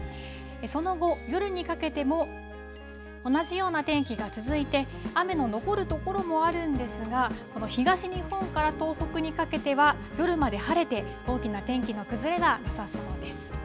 その後、夜にかけても同じような天気が続いて、雨の残る所もあるんですが、この東日本から東北にかけては、夜まで晴れて、大きな天気の崩れはなさそうです。